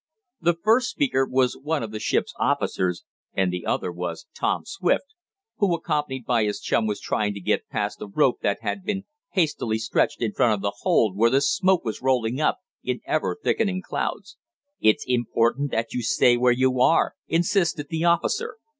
The first speaker was one of the ship's officers, and the other was Tom Swift, who, accompanied by his chum, was trying to get past a rope that had been hastily stretched in front of the hold where the smoke was rolling up in ever thickening clouds. "It's important that you stay where you are," insisted the officer.